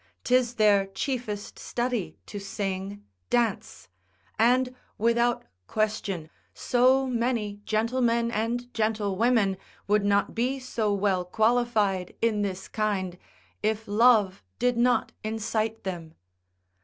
'Tis their chiefest study to sing, dance; and without question, so many gentlemen and gentlewomen would not be so well qualified in this kind, if love did not incite them.